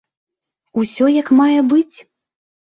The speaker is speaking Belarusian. Усё як мае быць.